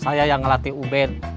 saya yang ngelatih ubed